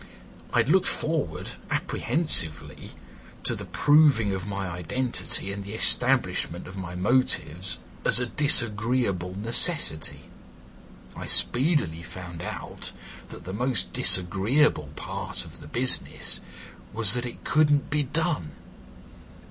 I had looked forward apprehensively to the proving of my identity and the establishment of my motives as a disagreeable necessity; I speedily found out that the most disagreeable part of the business was that it couldn't be done.